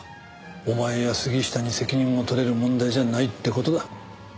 お前や杉下に責任を取れる問題じゃないって事だ。